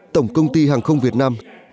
tổng công ty hàng không việt nam